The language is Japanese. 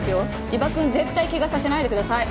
伊庭くん絶対怪我させないでください。